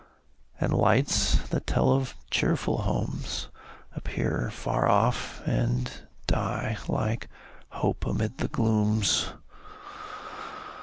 And lights, that tell of cheerful homes, appear Far off, and die like hope amid the glooms.